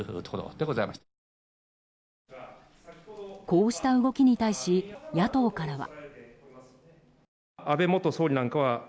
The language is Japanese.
こうした動きに対し野党からは。